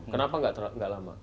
kenapa gak lama